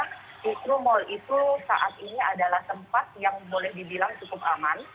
justru mal itu saat ini adalah tempat yang boleh dibilang cukup aman